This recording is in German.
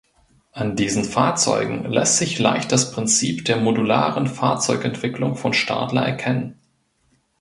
An diesen Fahrzeugen lässt sich leicht das Prinzip der modularen Fahrzeugentwicklung von Stadler erkennen.